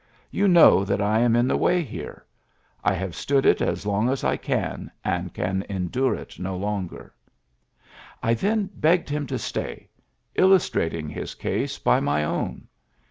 You know that I am in the way here. I have stood it as long as I can, and can endure it no longer. ... I then b^ged him to stay, illustrating his case by my own.